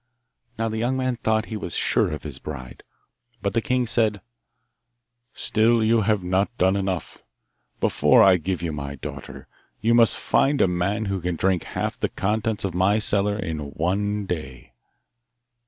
Now the young man thought he was sure of his bride, but the king said, "Still you have not done enough. Before I give you my daughter you must find a man who can drink half the contents of my cellar in one day.